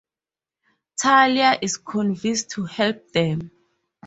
Talia is convinced to help them.